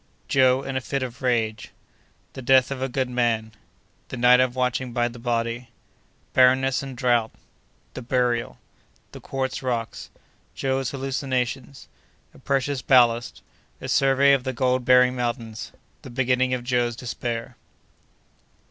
Joe in a Fit of Rage.—The Death of a Good Man.—The Night of watching by the Body.—Barrenness and Drought.—The Burial.—The Quartz Rocks.—Joe's Hallucinations.—A Precious Ballast.—A Survey of the Gold bearing Mountains.—The Beginning of Joe's Despair.